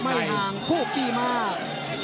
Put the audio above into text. ไม่ห่างโคกี้มาก